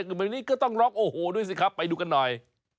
แบบนี้ก็ต้องล็อกโอ้โหด้วยสิครับไปดูกันหน่อย